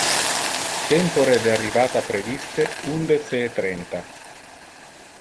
Tempore de arrivata previste undece e trenta.